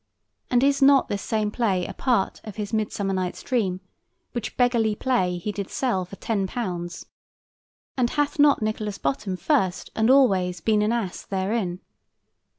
And is not this same play a part of his "Midsummer Night's Dream," which beggarly play he did sell for £10, and hath not Nicholas Bottom first and always been an ass therein?